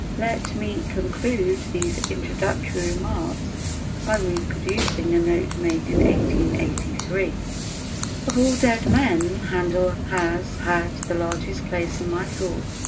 Let me conclude these introductory remarks by reproducing a note made in 1883: "Of all dead men Handel has had the largest place in my thoughts.